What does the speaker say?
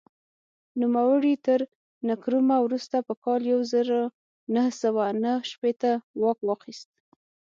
نوموړي تر نکرومه وروسته په کال یو زر نهه سوه نهه شپېته واک واخیست.